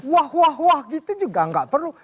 wah wah wah gitu juga nggak perlu